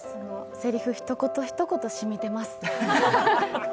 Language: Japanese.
せりふ、ひと言ひと言染みてます。